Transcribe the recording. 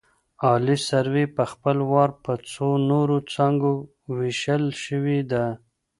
عالي سروې په خپل وار په څو نورو څانګو ویشل شوې ده